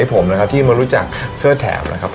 เปิดโลกใหม่ให้ผมนะครับที่มารู้จักเสื้อแถมนะครับผม